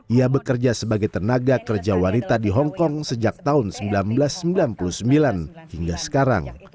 ia bekerja sebagai tenaga kerja wanita di hongkong sejak tahun seribu sembilan ratus sembilan puluh sembilan hingga sekarang